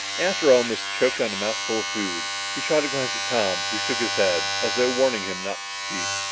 Astro almost choked on a mouthful of food. He shot a glance at Tom, who shook his head as though warning him not to speak.